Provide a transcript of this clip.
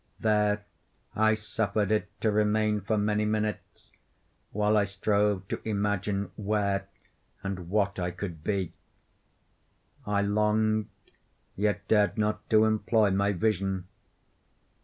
There I suffered it to remain for many minutes, while I strove to imagine where and what I could be. I longed, yet dared not to employ my vision.